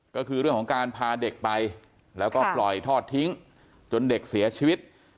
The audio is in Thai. ก็คือเรื่องของการพาเด็กไปแล้วก็ปล่อยทอดทิ้งจนเด็กเสียชีวิต